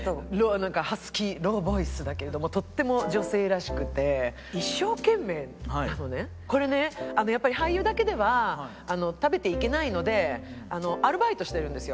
ハスキーローボイスだけれどもとってもこれねやっぱり俳優だけでは食べていけないのでアルバイトしてるんですよ